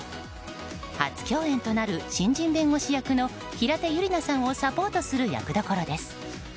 初共演となる新人弁護士役の平手友梨奈さんをサポートする役どころです。